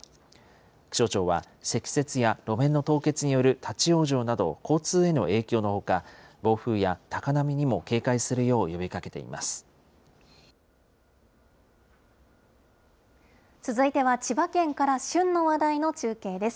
気象庁は積雪や路面の凍結による立往生など、交通への影響のほか、暴風や高波にも警戒するよう呼びかけています。